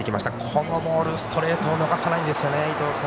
このボール、ストレートを逃さないんですね、伊藤君。